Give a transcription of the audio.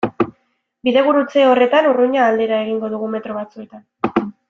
Bidegurutze horretan Urruña aldera egingo dugu metro batzuetan.